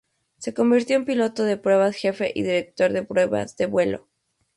Se convirtió en Piloto de pruebas jefe y director de pruebas de vuelo.